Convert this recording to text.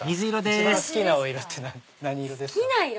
一番好きなお色って何色ですか？